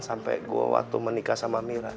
sampai gue waktu menikah sama mira